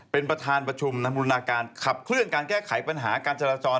เป็นประธานประชุมบูรณาการขับเคลื่อนการแก้ไขปัญหาการจราจร